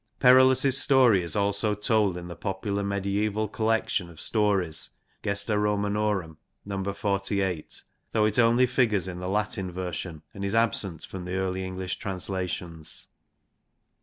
Perillus' story is also told in the popular medieval collection ot stories Gesta Romanorum (no. 48), though it only figures in the Latin version, and is absent from the early English translations.